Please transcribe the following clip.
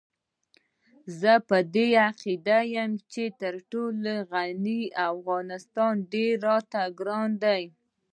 زه په دې عقيده يم چې تر غني افغانستان ډېر راته ګران دی.